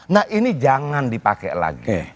nah ini jangan dipakai lagi